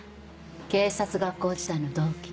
警察学校時代の同期。